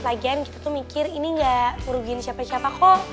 lagian kita tuh mikir ini gak merugin siapa siapa kok